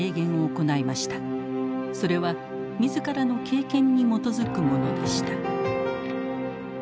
それは自らの経験に基づくものでした。